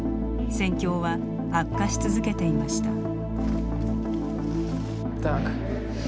戦況は悪化し続けていました。